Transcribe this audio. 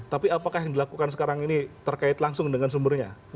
tapi apakah yang dilakukan sekarang ini terkait langsung dengan sumbernya